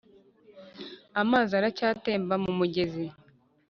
amazi aracyatemba mu mugezi